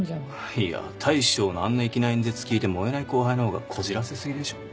いや大将のあんな粋な演説聞いて燃えない後輩の方がこじらせ過ぎでしょ。